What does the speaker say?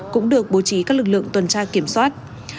cũng được bố trí các lực lượng tuần tra kiểm soát